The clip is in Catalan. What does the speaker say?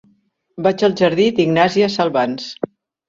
Vaig al jardí d'Ignàsia Salvans.